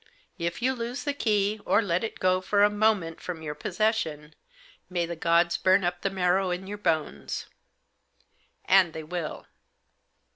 If you lose the key, or let it go for a moment from your possession, may the gods burn up the marrow in your bones. And they will."